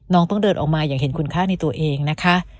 น้องต้องเดินออกมาอย่างเห็นคุณค่าในตัวเองนะคะ